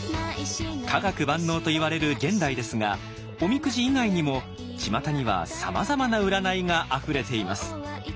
科学万能といわれる現代ですがおみくじ以外にもちまたにはさまざまな占いがあふれています。